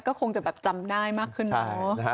ก็คงจะแบบจำได้มากขึ้นเนอะ